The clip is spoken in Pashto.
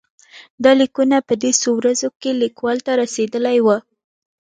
دا لیکونه په دې څو ورځو کې لیکوال ته رسېدلي وو.